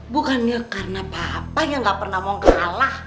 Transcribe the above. bukannya karena papa yang gak pernah mau kalah